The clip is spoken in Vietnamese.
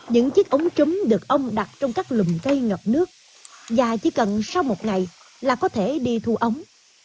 những chiếc ống trúng được ông đặt trong các lùm cây ngập nước và chỉ cần sau một ngày là có thể đi thu ống